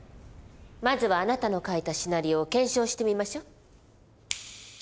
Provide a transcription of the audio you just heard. まずはあなたの書いたシナリオを検証してみましょう。